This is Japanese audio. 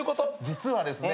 実はですね